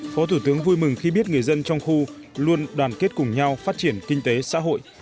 phó thủ tướng vui mừng khi biết người dân trong khu luôn đoàn kết cùng nhau phát triển kinh tế xã hội